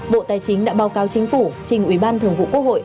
bộ tài chính đã báo cáo chính phủ trình ubthqh